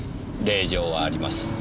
令状はあります。